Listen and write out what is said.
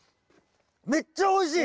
めっちゃおいしい！